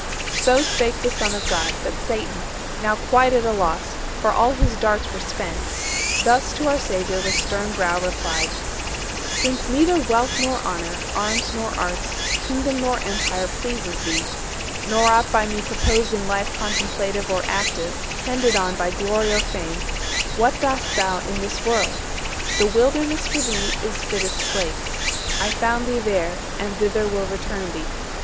So spake the Son of God; but Satan, now Quite at a loss (for all his darts were spent), Thus to our Saviour, with stern brow, replied:— "Since neither wealth nor honour, arms nor arts, Kingdom nor empire, pleases thee, nor aught By me proposed in life contemplative 370 Or active, tended on by glory or fame, What dost thou in this world? The Wilderness For thee is fittest place: I found thee there, And thither will return thee.